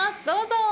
どうぞ。